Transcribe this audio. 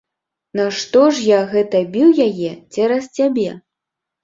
Нашто ж я гэта біў яе цераз цябе!